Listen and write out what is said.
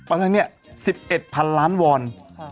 อะไรเนี่ย๑๑๐๐๐ล้านวอน